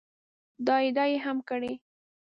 دا ادعا یې هم کړې